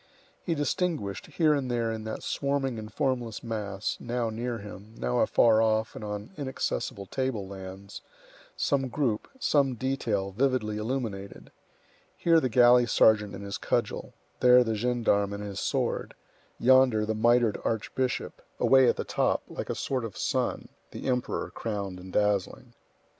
He distinguished, here and there in that swarming and formless mass, now near him, now afar off and on inaccessible table lands, some group, some detail, vividly illuminated; here the galley sergeant and his cudgel; there the gendarme and his sword; yonder the mitred archbishop; away at the top, like a sort of sun, the Emperor, crowned and dazzling.